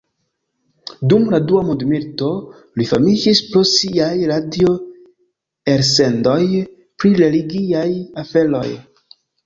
Dum la Dua mondmilito li famiĝis pro siaj radio-elsendoj pri religiaj aferoj.